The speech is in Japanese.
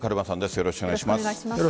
よろしくお願いします。